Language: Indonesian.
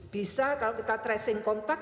bisa kalau kita tracing kontak